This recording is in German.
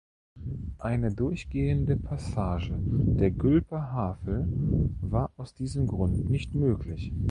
Eine durchgehende Passage der Gülper Havel war aus diesem Grund nicht möglich.